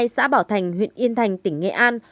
xã bảo thành huyện yên thành tỉnh nghệ an